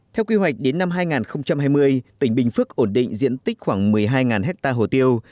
theo quy hoạch đến năm hai nghìn hai mươi tỉnh bình phước ổn định diện tích khoảng một mươi hai ha hồ tiêu